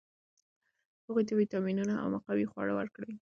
هغوی ته ویټامینونه او مقوي خواړه ورکړئ.